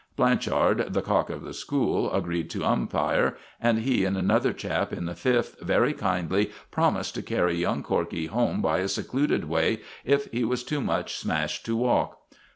Blanchard, the cock of the school, agreed to umpire, and he and another chap in the Fifth very kindly promised to carry young Corkey home by a secluded way if he was too much smashed to walk.